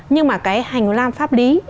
nhưng mà cái hành lang pháp lý